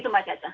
itu mbak caca